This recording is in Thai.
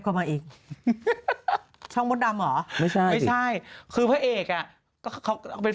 ก็มาอีกช่องมดดำเหรอไม่ใช่ไม่ใช่คือพระเอกอ่ะก็เขาเอาเป็น